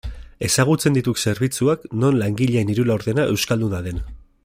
Ezagutzen ditut zerbitzuak non langileen hiru laurdena euskalduna den.